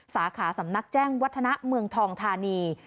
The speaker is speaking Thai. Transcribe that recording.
สาขาสำนักแจ้งวัฒนะเมืองทองธานี